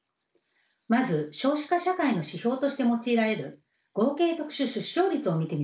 まず少子化社会の指標として用いられる合計特殊出生率を見てみましょう。